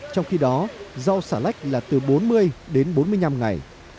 trong khi đó rau xà lách là từ bốn mươi đến bốn mươi năm ngày